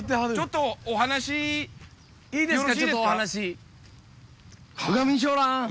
ちょっとお話よろしいですか？